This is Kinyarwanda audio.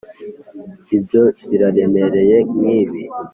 ibyo biraremereye nkibi